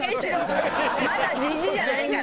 まだジジイじゃないから。